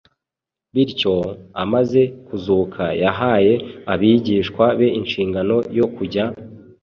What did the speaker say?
Bityo, amaze kuzuka yahaye abigishwa be inshingano yo kujya